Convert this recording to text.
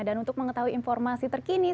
dan untuk mengetahui informasi terkini sudah